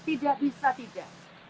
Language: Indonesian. tidak bisa tidak